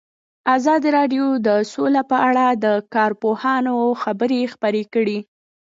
ازادي راډیو د سوله په اړه د کارپوهانو خبرې خپرې کړي.